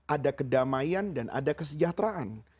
ada kedamaian dan ada kesejahteraan